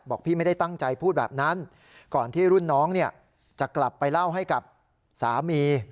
พี่ไม่ได้ตั้งใจพูดแบบนั้นก่อนที่รุ่นน้องเนี่ยจะกลับไปเล่าให้กับสามี